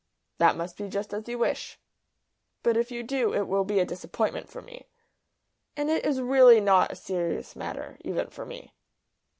"That must be just as you wish. But if you do it will be a disappointment for me. And it is really not a very serious matter, even for me."